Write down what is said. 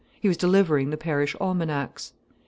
He was delivering the parish almanacs.